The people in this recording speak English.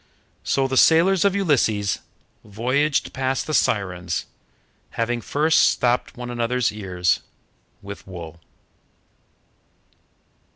So the sailors of Ulysses voyaged past the Sirens, having first stopped one another's ears with wool.